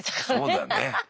そうだね。